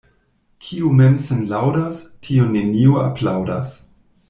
Kiu mem sin laŭdas, tiun neniu aplaŭdas.